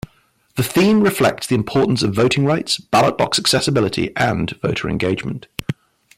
The theme reflects the importance of voting rights, ballot box accessibility and voter engagement.